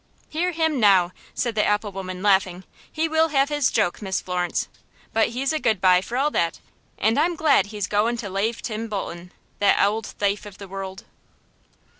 "Hear him now," said the apple woman, laughing. "He will have his joke, Miss Florence, but he's a good bye for all that, and I'm glad he's goin' to lave Tim Bolton, that ould thafe of the worruld."